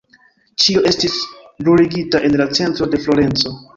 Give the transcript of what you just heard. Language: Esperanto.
Ĉio estis bruligita en la centro de Florenco.